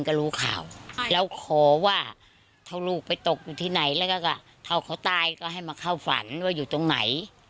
แต่ว่าถ้าลูกไปตกอยู่ที่ไหนแล้วก็พ่อเขาตายก็ให้เขาเฝ้าฝันว่าอยู่ตรงไหน